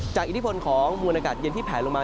อิทธิพลของมวลอากาศเย็นที่แผลลงมา